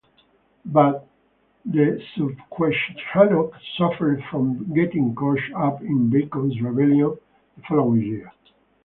But the Susquehannock suffered from getting caught up in Bacon's Rebellion the following year.